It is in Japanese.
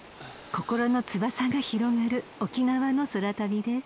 ［心の翼が広がる沖縄の空旅です］